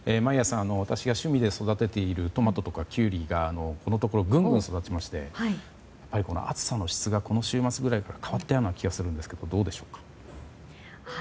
私が趣味で育てているトマトとかキュウリがこのところどんどん育ちましてやっぱり暑さの質がこの週末ぐらいから変わったような気がするんですがどうでしょうか？